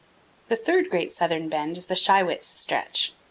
The third great southern bend is the Shiwits stretch.